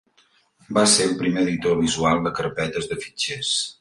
Va ser el primer editor visual de carpetes de fitxers.